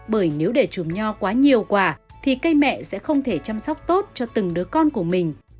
bởi nếu để chùm nho quá nhiều quả thì cây mẹ sẽ không thể chăm sóc tốt cho từng đứa con của mình